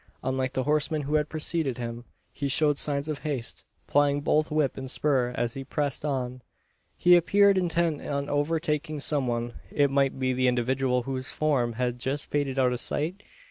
Unlike the horseman who had preceded him, he showed signs of haste plying both whip and spur as he pressed on. He appeared intent on overtaking some one. It might be the individual whose form had just faded out of sight?